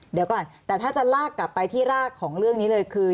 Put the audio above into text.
เดี๋ยวก่อนแต่ถ้าจะลากกลับไปที่รากของเรื่องนี้เลยคือ